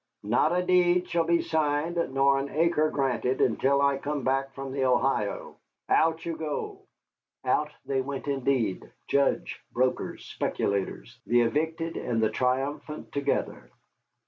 Not a deed shall be signed nor an acre granted until I come back from the Ohio. Out you go!" Out they went indeed, judge, brokers, speculators the evicted and the triumphant together.